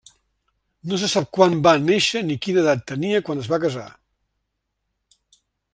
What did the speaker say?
No se sap quan va néixer ni quina edat tenia quan es va casar.